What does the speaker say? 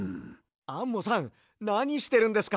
アンモさんなにしてるんですか？